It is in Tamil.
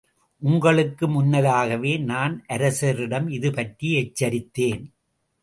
உங்களுக்கு முன்னதாகவே நான் அரசரிடம் இதுபற்றி எச்சரித்தேன்.